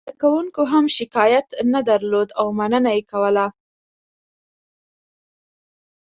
زده کوونکو هم کوم شکایت نه درلود او مننه یې کوله.